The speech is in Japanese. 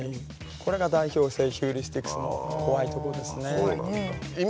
これが代表性ヒューリスティックの怖いところですね。